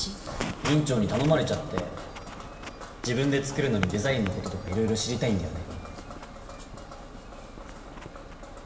院長に頼まれちゃって自分で作るのにデザインのこととか色々知りたいんだよね